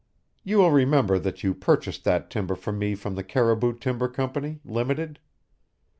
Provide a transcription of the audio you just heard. You will remember that you purchased that timber for me from the Caribou Timber Company, Limited.